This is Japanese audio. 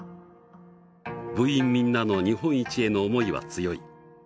部員みんなの日本一への思いは強い。